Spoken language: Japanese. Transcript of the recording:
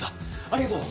ありがとう！